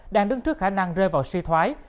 đang đứng trước khả năng rơi vào suy thoái